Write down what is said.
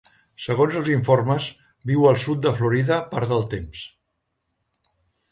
Segons els informes, viu al sud de Florida part del temps.